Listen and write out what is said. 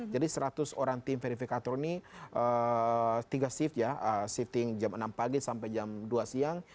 jadi seratus orang tim verifikator ini tiga shift ya shifting jam enam pagi sampai jam dua siang